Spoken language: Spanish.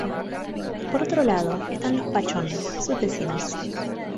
Por otro lado están los Pachón, sus vecinos.